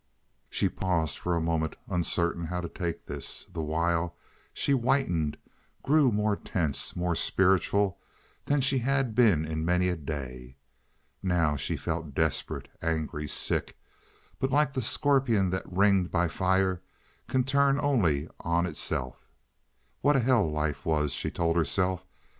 She paused for a moment, uncertain how to take this, the while she whitened, grew more tense, more spiritual than she had been in many a day. Now she felt desperate, angry, sick, but like the scorpion that ringed by fire can turn only on itself. What a hell life was, she told herself.